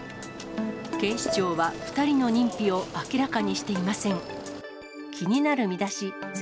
警視庁は２人の認否を明らかにしていません。